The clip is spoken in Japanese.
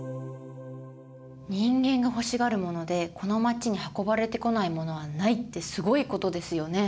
「人間が欲しがる物でこの街に運ばれてこない物はない」ってすごいことですよね。